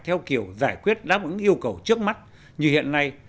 theo kiểu giải quyết đáp ứng yêu cầu trước mắt như hiện nay